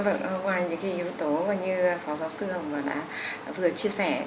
vâng ngoài những cái yếu tố mà như phó giáo sư hồng vừa chia sẻ